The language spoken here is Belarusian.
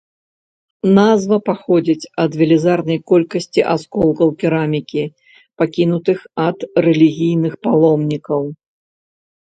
Назва паходзіць ад велізарнай колькасці асколкаў керамікі, пакінутых ад рэлігійных паломнікаў.